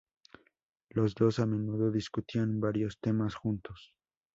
Los dos a menudo discutían varios temas juntos.